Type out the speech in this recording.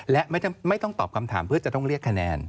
และไม่ต้องตอบคำถามเพื่อจะต้องเรียกคะแนน